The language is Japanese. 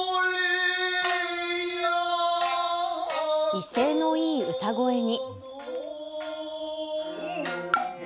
威勢のいい歌声に。